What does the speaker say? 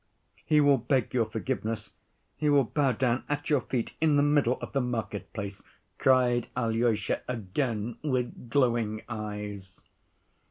"He will beg your forgiveness, he will bow down at your feet in the middle of the market‐place," cried Alyosha again, with glowing eyes.